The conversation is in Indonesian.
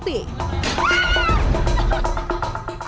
apalagi kalau ditemani suara kuntilanang